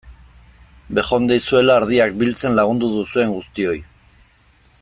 Bejondeizuela ardiak biltzen lagundu duzuen guztioi!